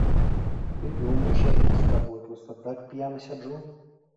Ты думаеш, я тут з табой проста так п'яны сяджу?